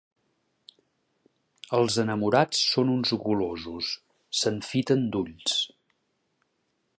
Els enamorats són uns golosos; s'enfiten d'ulls.